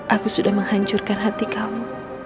aku sudah menghancurkan hati kamu